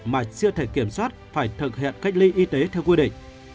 mà chưa thể kiểm soát phải thực hiện cách ly y tế theo quy định